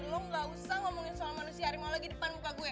lo gak usah ngomongin soal manusia harimau lagi depan muka gue